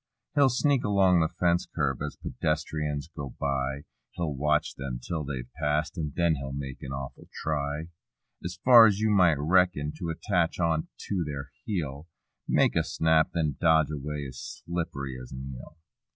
He'll sneak along the fence curb as pedestrians go by; He'll watch them 'till they've past and then he'll make an awful try, As far as you might reckon, to attach on to their heel ; Make a snap, then dodge away as slip'ry as an eel.